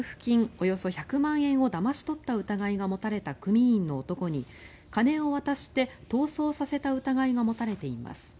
およそ１００万円をだまし取った疑いが持たれた組員の男に金を渡して逃走させた疑いが持たれています。